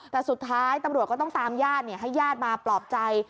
แต่สุดท้ายตำรวจก็ต้องตามญาติให้ญาติมาปลอบใจ